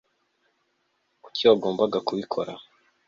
kuki wagombaga kubikora